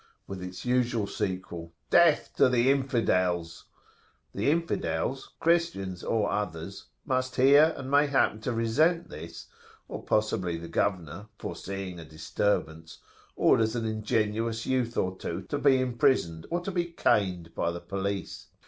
with its usual sequel, "Death to the Infidels!" The Infidels, Christians or others, must hear and may happen to resent this; or possibly the governor, foreseeing a disturbance, orders an ingenuous youth or two to be imprisoned, or to be caned by the police.